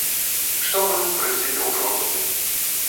Што мы, у прынцыпе, ужо робім.